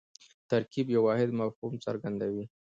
ترکیب یو واحد مفهوم څرګندوي.